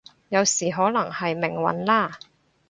有時可能係命運啦